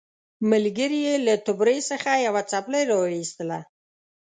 ملګري یې له توبرې څخه یوه څپلۍ راوایستله.